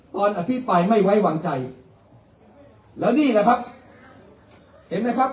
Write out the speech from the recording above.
ตอนอภิปัยไม่ไว้หวังใจแล้วนี่นะครับเห็นมั้ยครับ